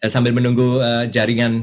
sambil menunggu jaringan